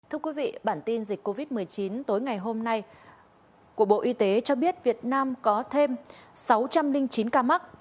thưa quý vị bản tin dịch covid một mươi chín tối ngày hôm nay của bộ y tế cho biết việt nam có thêm sáu trăm linh chín ca mắc